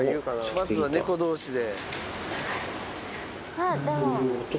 まずは猫同士で。